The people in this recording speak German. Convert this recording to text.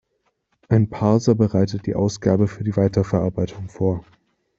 Ein Parser bereitet die Ausgabe für die Weiterverarbeitung vor.